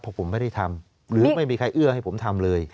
เพราะผมไม่ได้ทำหรือไม่มีใครเอื้อให้ผมทำเลย